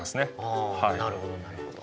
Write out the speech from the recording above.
あなるほどなるほど。